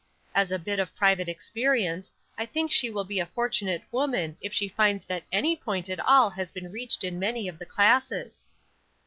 As a bit of private experience, I think she will be a fortunate woman if she finds that any point at all has been reached in many of the classes.